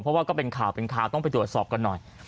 เพราะว่าก็เป็นข่าวเป็นข่าวต้องไปตรวจสอบกันหน่อย